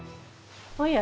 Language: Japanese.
おや。